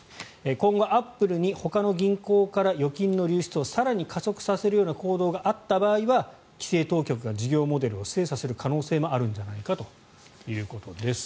今後、アップルにほかの銀行から預金の流出を更に加速させるような行動があった場合には規制当局が事業モデルを精査する可能性もあるんじゃないかということです。